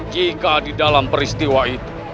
jika di dalam peristiwa itu